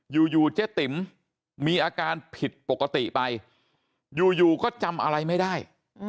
อยู่เจ๊ติ๋มมีอาการผิดปกติไปอยู่ก็จำอะไรไม่ได้